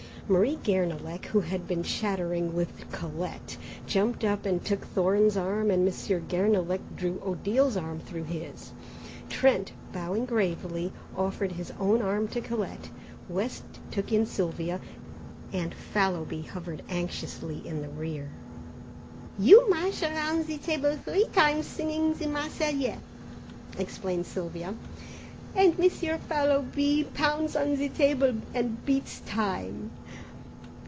Marie Guernalec, who had been chattering with Colette, jumped up and took Thorne's arm and Monsieur Guernalec drew Odile's arm through his. Trent, bowing gravely, offered his own arm to Colette, West took in Sylvia, and Fallowby hovered anxiously in the rear. "You march around the table three times singing the Marseillaise," explained Sylvia, "and Monsieur Fallowby pounds on the table and beats time."